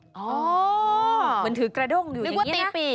อ๋อเหมือนถือกระด้งอยู่อย่างนี้นะ